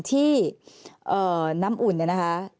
ที่น้ำอุ่น